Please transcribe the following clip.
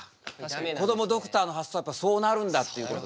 こどもドクターの発想はそうなるんだっていうこと。